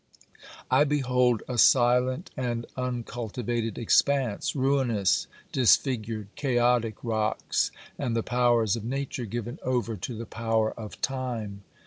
I behold a silent and uncultivated ex panse, ruinous, disfigured, chaotic rocks, and the powers of Nature given over to the power of time.